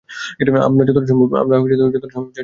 আমার যতটা সম্ভব চেষ্টা করছি।